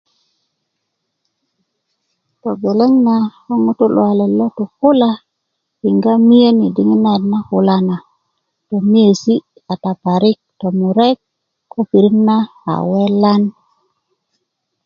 togeleŋ na ko ŋutu' luwalet lo tu kula yiŋga miyen yi diŋit nayit na kula na tomiyesi' kata parik tomurek ko pirit na a welan